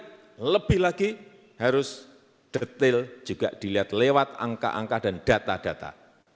tapi lebih lagi harus detail juga dilihat lewat angka angka dan data data